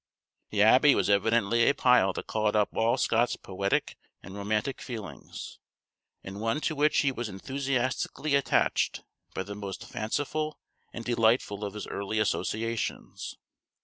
The Abbey was evidently a pile that called up all Scott's poetic and romantic feelings; and one to which he was enthusiastically attached by the most fanciful and delightful of his early associations.